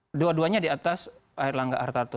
keduanya di atas air langga hartarto